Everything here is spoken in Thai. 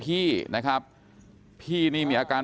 พี่สาวอายุ๗ขวบก็ดูแลน้องดีเหลือเกิน